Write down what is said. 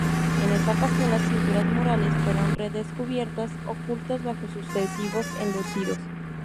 En esta ocasión, las pinturas murales fueron redescubiertas ocultas bajo sucesivos enlucidos.